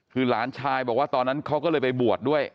คือหลานชายบอกว่าตอนนั้นเขาก็เลยไปบวชด้วย